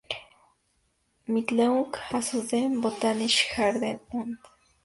Mitteilungen aus dem Botanischen Garten und Museum Berlin-Dahlem, Bot.